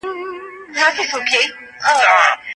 مخالفین د قدرت د مرکز سره تړاو لري.